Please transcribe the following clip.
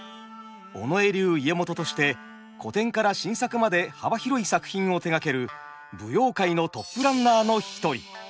尾上流家元として古典から新作まで幅広い作品を手がける舞踊界のトップランナーの一人。